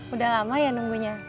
udah lama ya nunggunya